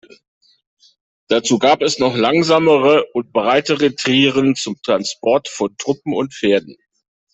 Dazu gab es noch langsamere und breitere Trieren zum Transport von Truppen und Pferden.